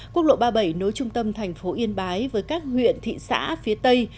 quốc lộ ba mươi bảy nối trung tâm thành phố yên bái với các huyện thị xã phía tây